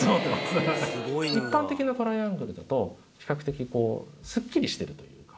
一般的なトライアングルだと比較的スッキリしてるというか。